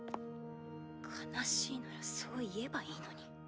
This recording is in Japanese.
悲しいならそう言えばいいのに。